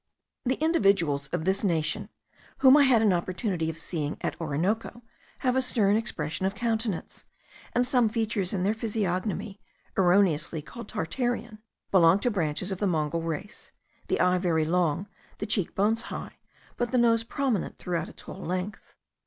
The individuals of this nation, whom I had an opportunity of seeing at the Orinoco, have a stern expression of countenance; and some features in their physiognomy, erroneously called Tartarian, belong to branches of the Mongol race, the eye very long, the cheekbones high, but the nose prominent throughout its whole length.